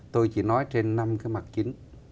tôi chỉ nói trên năm cái mặt chính